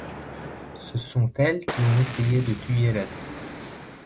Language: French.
Ce sont elles qui ont essayé de tuer Red.